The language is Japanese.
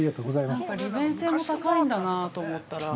利便性も高いんだなと思ったら。